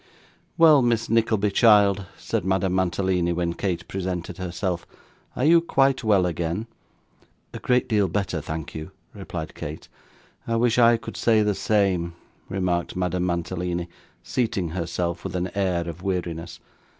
'Well, Miss Nickleby, child,' said Madame Mantalini, when Kate presented herself; 'are you quite well again?' 'A great deal better, thank you,' replied Kate. 'I wish I could say the same,' remarked Madame Mantalini, seating herself with an air of weariness.